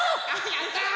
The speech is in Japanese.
やった！